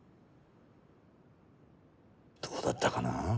どうだったかな？